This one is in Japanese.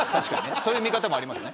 そういう見方もありますね。